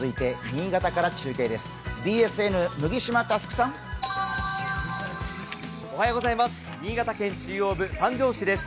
新潟県中央部、三条市です。